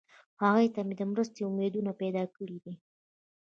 هغوی ته یې د مرستې امیدونه پیدا کړي دي.